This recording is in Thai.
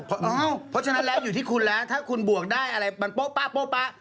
เพราะฉะนั้นแล้วอยู่ที่คุณแล้วถ้าคุณบวกได้อะไรมันโป๊ะป๊ะ